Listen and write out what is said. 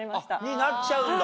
になっちゃうんだ